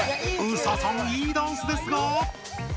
ＳＡさんいいダンスですが。